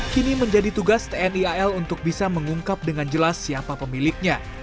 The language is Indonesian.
kini menjadi tugas tni al untuk bisa mengungkap dengan jelas siapa pemiliknya